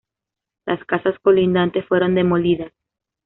Las casas colindantes fueron demolidas.